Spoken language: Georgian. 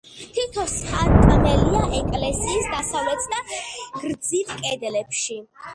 თითო სარკმელია ეკლესიის დასავლეთ და გრძივ კედლებში.